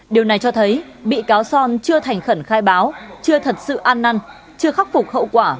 điều này cho thấy bị cáo son chưa thành khẩn khai báo chưa thật sự an năn chưa khắc phục hậu quả